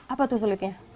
apa tuh sulitnya